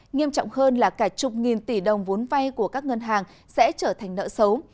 nghiêm trọng hơn là cả chục nghìn tỷ đồng vốn vay của các ngân hàng sẽ trở thành nợ xấu